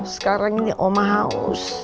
sekarang ini omah haus